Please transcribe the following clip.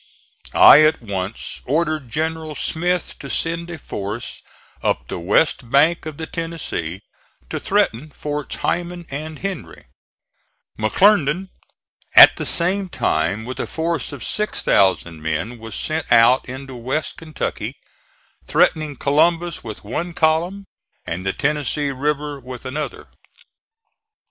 I at once ordered General Smith to send a force up the west bank of the Tennessee to threaten forts Heiman and Henry; McClernand at the same time with a force of 6,000 men was sent out into west Kentucky, threatening Columbus with one column and the Tennessee River with another.